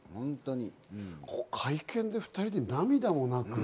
会見で２人で涙もなく。